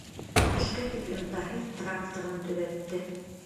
Төшкә тиклем Таһир тракторын төҙәтте.